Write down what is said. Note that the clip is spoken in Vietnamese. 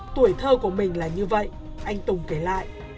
tuổi thơ của mình là như vậy anh tùng kể lại